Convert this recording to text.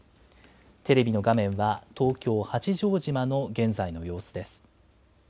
テレビの画面は東京・八丈島の現在の様子です。